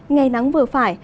ngày nắng vừa phải